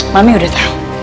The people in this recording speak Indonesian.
mami udah tau